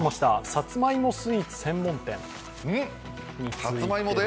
さつまいもスイーツ専門店について。